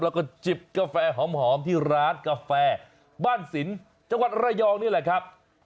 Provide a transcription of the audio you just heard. แล้วก็จิบกาแฟหอมที่ร้านกาแฟบ้านสินจังหวัดระยองนี่แหละครับ